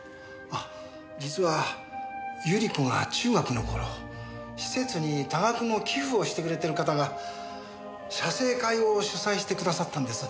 あ実は百合子が中学の頃施設に多額の寄付をしてくれてる方が写生会を主催してくださったんです。